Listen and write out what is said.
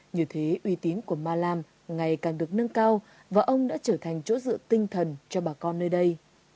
như thế uy tín của malam ngày càng được nâng cao và ông đã trở thành chỗ dựa tinh thần cho bà con nơi đây